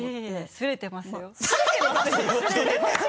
すれていますよ。